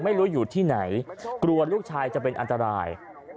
อยู่ที่ไหนกลัวลูกชายจะเป็นอันตราย